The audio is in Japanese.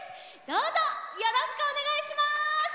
どうぞよろしくおねがいします！